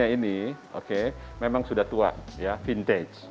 ini memang sudah tua ya vintage